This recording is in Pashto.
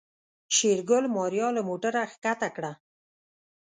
شېرګل ماريا له موټره کښته کړه.